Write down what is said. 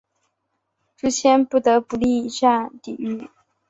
朱谦不得不力战抵御。